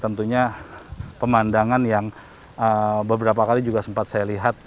tentunya pemandangan yang beberapa kali juga sempat saya lihat